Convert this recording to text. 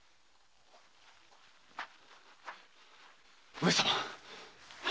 上様！